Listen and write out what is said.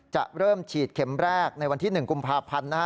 จะเริ่มฉีดเข็มแรกในวันที่๑กุมภาพันธ์นะฮะ